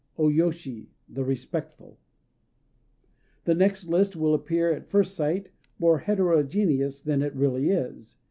O Yoshi "The Respectful." The next list will appear at first sight more heterogeneous than it really is.